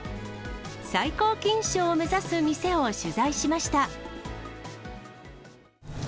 最高金賞を目指す店を取材しました。